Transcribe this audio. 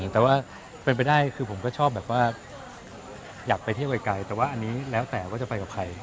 แต่ว่าเป็นไปได้คือผมก็ชอบแบบว่าอยากไปเที่ยวไกลแต่ว่าอันนี้แล้วแต่ว่าจะไปกับใคร